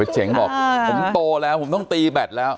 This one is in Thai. เจ๋งบอกผมโตแล้วผมต้องตีแบตแล้ว